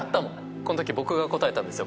こんとき僕が答えたんですよ。